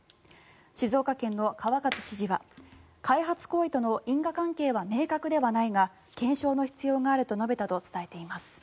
静岡県の川勝知事は開発行為との因果関係は明確ではないが検証の必要があると述べたと伝えています。